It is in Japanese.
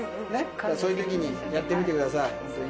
そういう時にやってみてください。